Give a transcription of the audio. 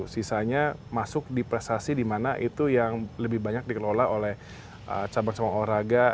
sisanya masuk di prestasi di mana itu yang lebih banyak dikelola oleh cabang cabang olahraga